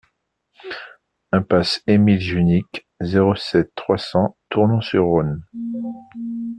Impasse Émile Junique, zéro sept, trois cents Tournon-sur-Rhône